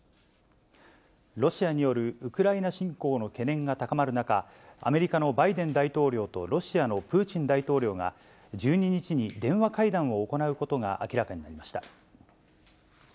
ロシアによるウクライナ侵攻の懸念が高まる中、アメリカのバイデン大統領とロシアのプーチン大統領が、１２日に電話会談を行うことが明らかになりました。